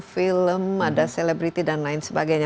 film ada selebriti dan lain sebagainya